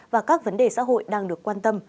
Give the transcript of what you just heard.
và các vấn đề xã hội đang được quan tâm